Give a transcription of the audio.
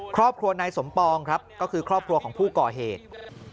ครอบครัวนายสมปองครับก็คือครอบครัวของผู้ก่อเหตุ